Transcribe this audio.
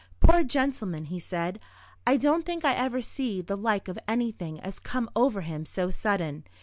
"Poor gentleman!" he said, "I don't think I ever see the like of anything as come over him so sudden.